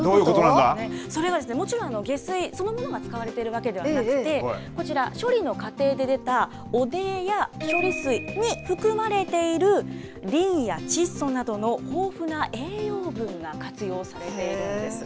それがですね、もちろん下水、そのものが使われてるわけではなくて、こちら、処理の過程で出た汚泥や処理水に含まれているリンや窒素などの豊富な栄養分が活用されているんです。